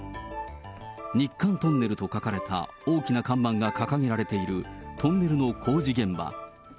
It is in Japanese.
日韓トンネルと書かれた大きな看板が掲げられているトンネルの工事現場。